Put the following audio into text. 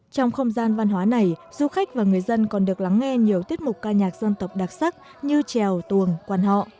trong không gian văn hóa này du khách và người dân còn được lắng nghe nhiều tiết mục ca nhạc dân tộc đặc sắc như trèo tuồng quan họ